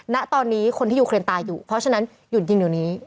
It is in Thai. ณตอนนี้คนที่ยูเครนตายอยู่เพราะฉะนั้นหยุดยิงเดี๋ยวนี้